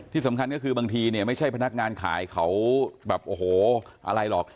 ที่สำคัญก็คือบางทีเนี่ยไม่ใช่พนักงานขายเขาแบบโอ้โหอะไรหรอก